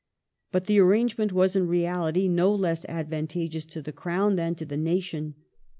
But the arrangement was in reality no less advantageous to the Crown than to the nation.